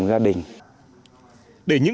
gia đình để những